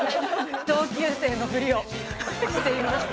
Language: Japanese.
同級生のふりをしていました。